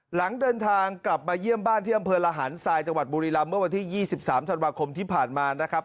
หลังเดินทางกลับมาเยี่ยมบ้านที่อำเภอระหารทรายจังหวัดบุรีรำเมื่อวันที่๒๓ธันวาคมที่ผ่านมานะครับ